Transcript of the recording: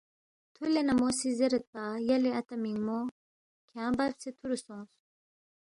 تھُولے نہ مو سی زیریدپا، یلے اتا مِنگمو کھیانگ ببسے تھُورُو سونگ